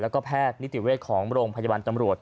แล้วก็แพทย์นิติเวชของโรงพยาบาลตำรวจ